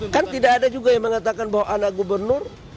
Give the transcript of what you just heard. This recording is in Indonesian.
kan tidak ada juga yang mengatakan bahwa anak gubernur